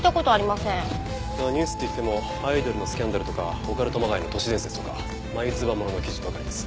まあニュースっていってもアイドルのスキャンダルとかオカルトまがいの都市伝説とか眉唾物の記事ばかりです。